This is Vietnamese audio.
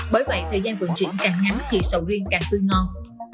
bởi vậy thời gian vận chuyển càng ngắn thì sầu riêng càng tươi ngon